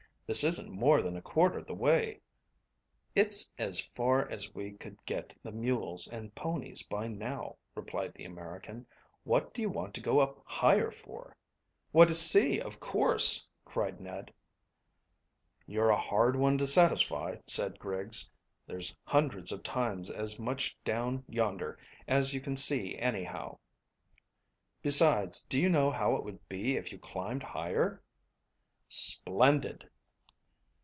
"This isn't more than a quarter the way." "It's as far as we could get the mules and ponies by now," replied the American. "What do you want to go up higher for?" "Why, to see, of course," cried Ned. "You're a hard one to satisfy," said Griggs. "There's hundreds of times as much down yonder as you can see anyhow. Besides, do you know how it would be if you climbed higher?" "Splendid."